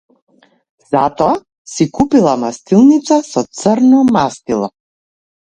Затоа си купила мастилница со црно мастило.